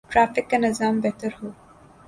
Traffic کا نظام بہتر ہو۔